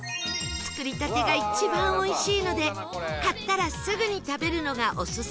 作りたてが一番おいしいので買ったらすぐに食べるのがオススメなんだそう